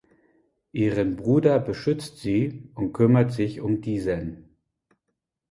Ihren Bruder beschützt sie und kümmert sich um diesen.